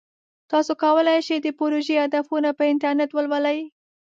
تاسو کولی شئ د پروژې هدفونه په انټرنیټ ولولئ.